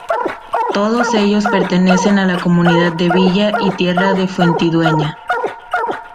Todos ellos pertenecen a la Comunidad de Villa y Tierra de Fuentidueña.